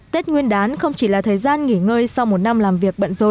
tết nguyên đán không chỉ là thời gian nghỉ ngơi sau một năm làm việc